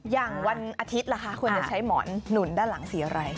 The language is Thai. วันอาทิตย์ล่ะคะควรจะใช้หมอนหนุนด้านหลังสีอะไร